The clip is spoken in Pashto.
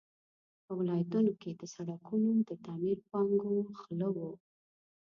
په ولایتونو کې د سړکونو د تعمیر پانګو غله وو.